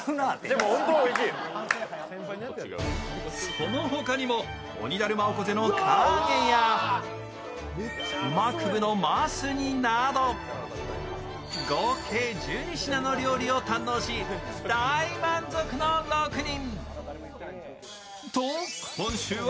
その他にもオニダルマオコゼの唐揚げやマクブのマース煮など合計１２品の料理を堪能し大満足の６人。